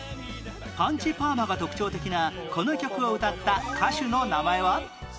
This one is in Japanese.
パンチパーマが特徴的なこの曲を歌った歌手の名前は？